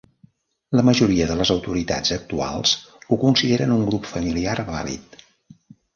La majoria de les autoritats actuals ho consideren un grup familiar vàlid.